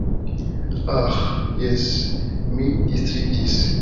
Aĥ jes, mi distriĝis.